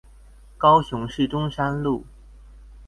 高雄市中山路